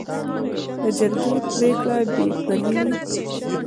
د جرګې پریکړه بې پرې وي.